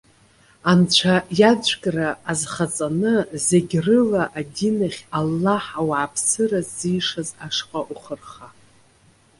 Анцәа иаӡәкра азхаҵаны, зегьрыла адинахь, Аллаҳ ауааԥсыра ззишаз ашҟа ухы рха!